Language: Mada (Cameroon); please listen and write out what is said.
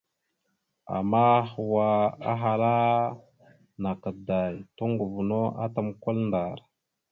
Ama hwa ahala naka da, toŋgov no atam kwal ndar.